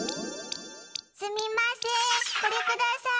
すみません、これください。